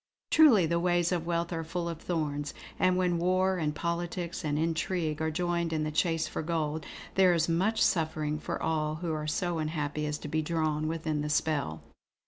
Truly, the ways of wealth are full of thorns; and when war and politics and intrigue are joined in the chase for gold, there is much suffering for all who are so unhappy as to be drawn within the spell.